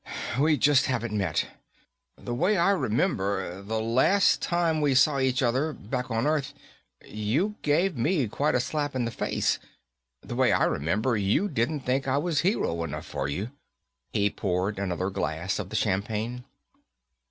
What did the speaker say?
We just haven't met. The way I remember, the last time we saw each other, back on Earth, you gave me quite a slap in the face. The way I remember, you didn't think I was hero enough for you." He poured another glass of the champagne.